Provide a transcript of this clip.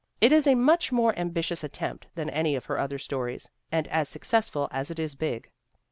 It is a much more ambitious attempt than any of her other stories and as successful as it is big.